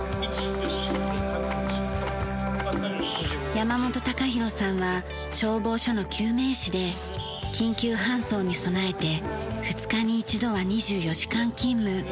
山本岳洋さんは消防署の救命士で緊急搬送に備えて２日に１度は２４時間勤務。